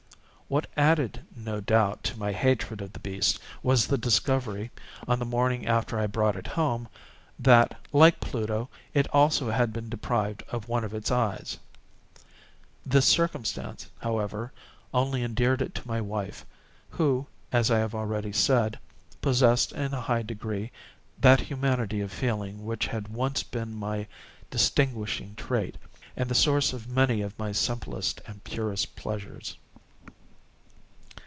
What added, no doubt, to my hatred of the beast, was the discovery, on the morning after I brought it home, that, like Pluto, it also had been deprived of one of its eyes. This circumstance, however, only endeared it to my wife, who, as I have already said, possessed, in a high degree, that humanity of feeling which had once been my distinguishing trait, and the source of many of my simplest and purest pleasures.